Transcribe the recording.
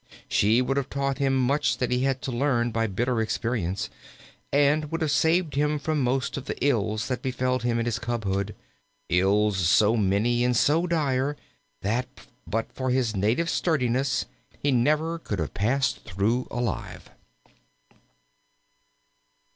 She would have taught him much that he had to learn by bitter experience, and would have saved him from most of the ills that befell him in his cubhood ills so many and so dire that but for his native sturdiness he never could have passed through alive.